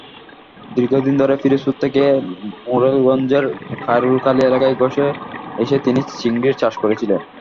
দীর্ঘদিন ধরে পিরোজপুর থেকে মোরেলগঞ্জের খারুইখালী এলাকায় এসে তিনি চিংড়ির চাষ করছিলেন।